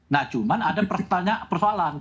nah cuma ada pertanyaan persoalan